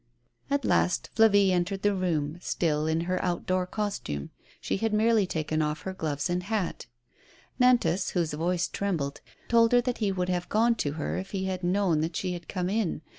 At last Flavie entered the room, still in her outdoor costume; she had merely taken off* her gloves and hat. Nantas, whose voice trembled, told her that he would have g(me to her if he had known that she had come in.